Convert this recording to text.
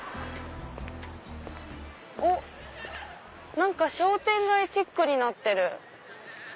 おっ商店街チックになってる。